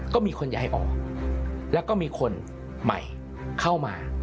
ก็มีคนย้ายออกแล้วก็มีคนใหม่เข้ามา